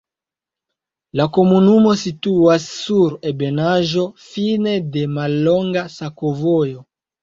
La komunumo situas sur ebenaĵo, fine de mallonga sakovojo.